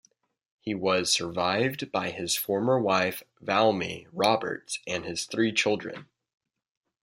He was survived by his former wife Valmai Roberts and his three children.